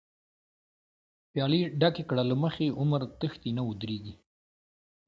پيالی ډکې کړه له مخی، عمر تښتی نه ودريږی